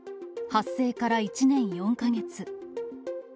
発生から１年４か月。